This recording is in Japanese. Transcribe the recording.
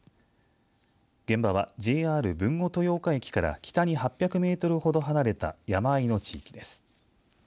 現場はＪＲ豊後豊岡駅から北に８００メートルほど離れた山あいの地域です。